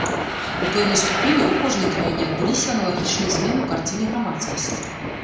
У пэўнай ступені ў кожнай краіне адбыліся аналагічныя змены у карціне грамадскасці.